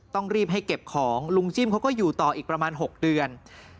ต้องรีบให้เก็บของลุงจิ้มเขาก็อยู่ต่ออีกประมาณ๖เดือน